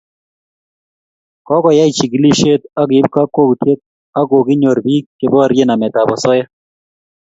Kokoiyai chigilishet ak keib kakwautiet ak kokinyor piik che borie namet ab asoya